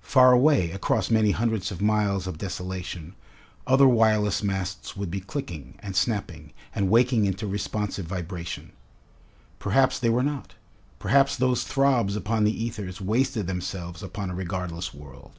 Far away, across many hundreds of miles of desolation, other wireless masts would be clicking, and snapping, and waking into responsive vibration. Perhaps they were not. Perhaps those throbs upon the ethers wasted themselves upon a regardless world.